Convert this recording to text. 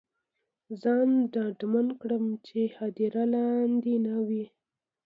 ځان ډاډمن کړم چې هدیره لاندې نه وي.